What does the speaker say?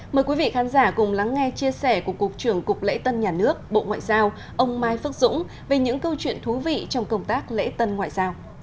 mời quý vị khán giả cùng lắng nghe chia sẻ của cục trưởng cục lễ tân nhà nước bộ ngoại giao ông mai phước dũng về những câu chuyện thú vị trong công tác lễ tân ngoại giao